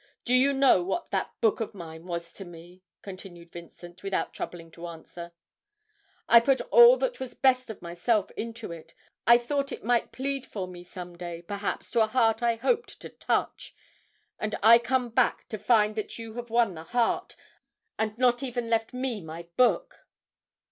'Do you know what that book of mine was to me?' continued Vincent, without troubling to answer; 'I put all that was best of myself into it, I thought it might plead for me some day, perhaps, to a heart I hoped to touch; and I come back to find that you have won the heart, and not even left me my book!'